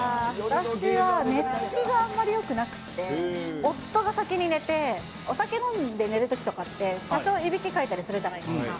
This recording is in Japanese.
私は寝つきがあまりよくなくて、夫が先に寝て、お酒飲んで寝るときとかって、多少いびきかいたりするじゃないですか。